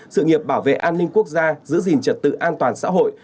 sự nghiệp bảo vệ an ninh quốc gia giữ gìn trật tự an toàn xã hội